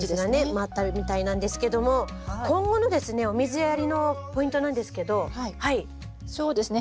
回ったみたいなんですけども今後のですねお水やりのポイントなんですけど。